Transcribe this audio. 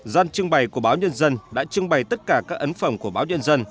gian trưng bày của báo nhân dân đã trưng bày tất cả các ấn phẩm của báo nhân dân